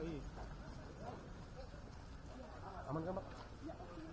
oke yang penting dapat